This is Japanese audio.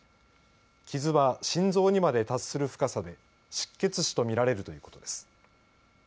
傷は心臓にまで達する深さで失血死と見られるということです。